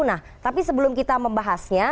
nah tapi sebelum kita membahasnya